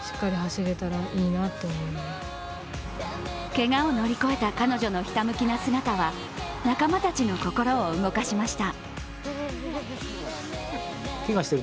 けがを乗り越えた彼女のひたむきな姿は仲間たちの心を動かしました。